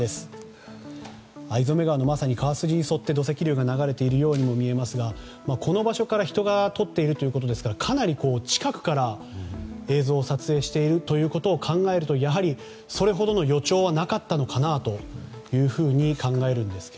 逢初川のまさに川筋に沿って土石流が流れているようにも見えますがこの場所から人が撮っているということですからかなり近くから映像を撮影しているということを考えるとそれほどの予兆はなかったのかなと考えるんですが。